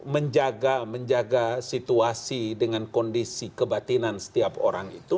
menjaga menjaga situasi dengan kondisi kebatinan setiap orang itu